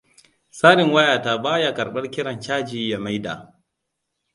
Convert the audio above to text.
Tsarin wayata ba ya karɓar kiran caji ya maida.